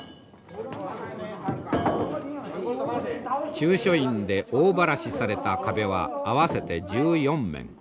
中書院で大ばらしされた壁は合わせて１４面。